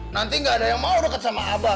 nanti nggak ada yang mau deket sama abah